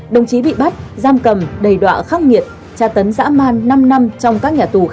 đồng chí bị bắt giam cầm đầy đoạn khắc nghiệt tra tấn dã man năm năm trong các nhà tù